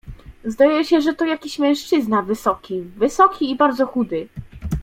"Zdaje się, że to jakiś mężczyzna wysoki, bardzo wysoki i bardzo chudy."